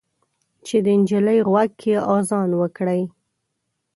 چې د نجلۍ غوږ کې اذان وکړئ